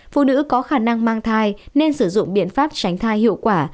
phụ nữ có khả năng mang thai nên sử dụng biện pháp tránh thai hiệu quả